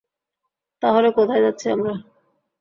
তাহলে, কোথায় যাচ্ছি আমরা?